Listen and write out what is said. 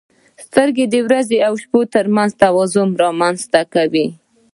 • سترګې د ورځې او شپې ترمنځ توازن رامنځته کوي.